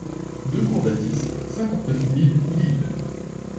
deux cour Dathis, cinquante-neuf mille Lille